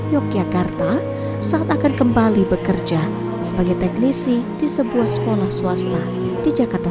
yogyakarta saat akan kembali bekerja sebagai teknisi di sebuah sekolah swasta di jakarta